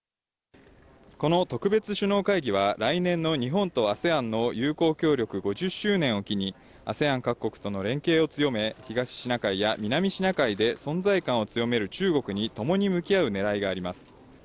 この特別首脳会議は、来年の日本とＡＳＥＡＮの友好協力５０周年を機に、ＡＳＥＡＮ各国との連携を強め、東シナ海や南シナ海で存在感を強める中国にともに向き合うねらいがあります。